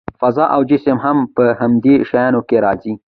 فضا او جسم هم په همدې شیانو کې راځي.